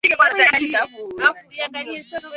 mimi mwenyewe nilifugwa nilitaka kupigwa